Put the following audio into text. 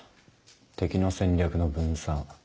敵の戦力の分散。